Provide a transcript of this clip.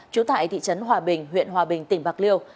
trú tại thị trấn hòa bình huyện hòa bình tỉnh bạc liêu